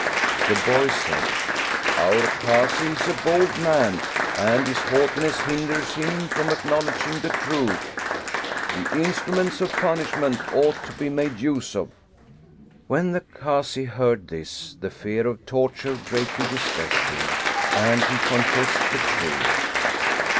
The boy said :" Our Kazi is a bold man, and his haughtiness hinders him from acknowledging the truth; the instruments of punishment ought to be made use of." When the Kazi heard this, the fear of torture greatly distressed him, and he confessed the truth.